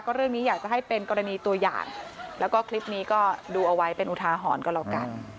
เรื่องนี้อยากจะให้เป็นกรณีตัวอย่างแล้วก็คลิปนี้ก็ดูเอาไว้เป็นอุทาหรณ์ก็แล้วกัน